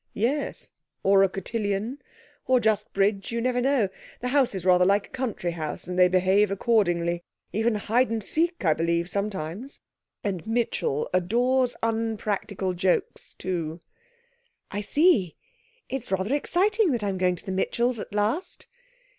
'Yes. Or a cotillion, or just bridge. You never know. The house is rather like a country house, and they behave accordingly. Even hide and seek, I believe, sometimes. And Mitchell adores unpractical jokes, too.' 'I see. It's rather exciting that I'm going to the Mitchells at last.'